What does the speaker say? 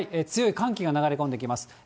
強い寒気が流れ込んできます。